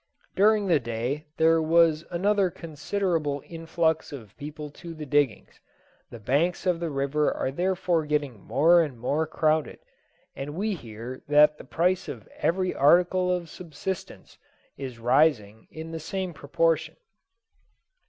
During the day there was another considerable influx of people to the diggings; the banks of the river are therefore getting more and more crowded, and we hear that the price of every article of subsistence is rising in the same proportion.